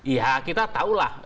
ya kita tahulah